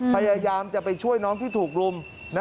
พยายามจะไปช่วยน้องที่ถูกรุม